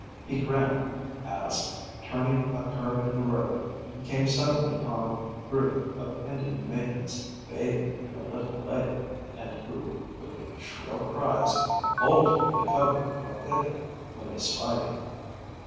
He grinned, as, turning a curve in the road, he came suddenly upon a group of Indian maidens, bathing in a little lake, and who, with shrill cries, bolted for the cover of a thicket when they spied him.